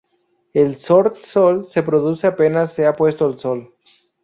El sort sol se produce apenas se ha puesto el sol.